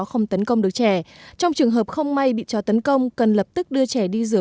không tấn công được trẻ trong trường hợp không may bị chó tấn công cần lập tức đưa trẻ đi rửa